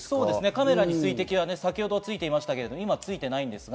カメラに水滴が先ほどはついていましたが、今はついていません。